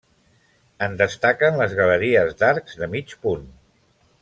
En destaquen les galeries d'arcs de mig punt.